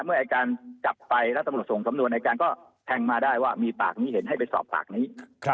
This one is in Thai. เมื่ออายการจับไปแล้วตำรวจส่งสำนวนอายการก็แทงมาได้ว่ามีปากนี้เห็นให้ไปสอบปากนี้